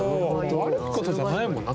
悪い事じゃないもんな